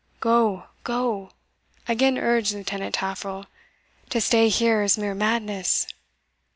"Go, go," again urged Lieutenant Taffril "to stay here is mere madness."